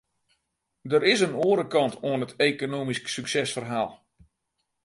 Der is in oare kant oan it ekonomysk suksesferhaal.